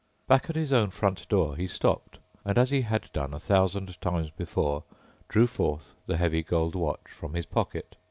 Back at his own front door he stopped and as he had done a thousand times before drew forth the heavy gold watch from his pocket.